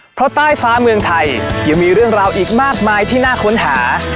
เพราะใต้ฟ้าเมืองไทยยังมีเรื่องราวอีกมากมายที่น่าค้นหา